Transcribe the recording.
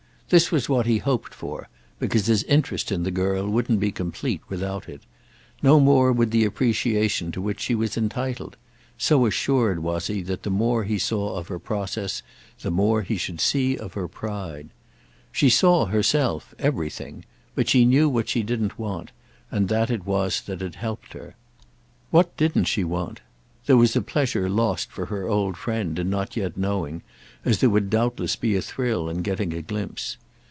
This was what he hoped for, because his interest in the girl wouldn't be complete without it. No more would the appreciation to which she was entitled—so assured was he that the more he saw of her process the more he should see of her pride. She saw, herself, everything; but she knew what she didn't want, and that it was that had helped her. What didn't she want?—there was a pleasure lost for her old friend in not yet knowing, as there would doubtless be a thrill in getting a glimpse.